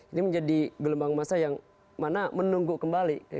ini menjadi gelombang masa yang mana menunggu kembali